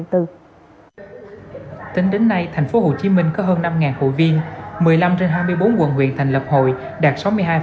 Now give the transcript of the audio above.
tính đến nay tp hcm có hơn năm hội viên một mươi năm trên hai mươi bốn quận huyện thành lập hội đạt sáu mươi hai